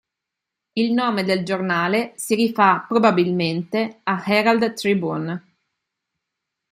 Il nome del giornale si rifà probabilmente a Herald Tribune.